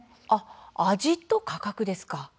味と価格ですか。